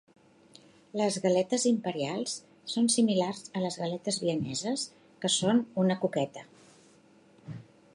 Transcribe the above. Les galetes imperials són similars a les galetes vieneses, que són una coqueta.